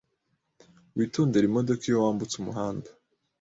Witondere imodoka iyo wambutse umuhanda.